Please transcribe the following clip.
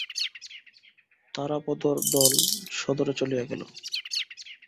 তারাপদর দল সদরে চলিয়া গেল।